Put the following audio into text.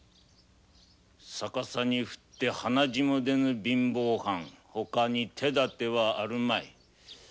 逆さに振っても鼻血も出ぬ貧乏藩外に手はあるまい。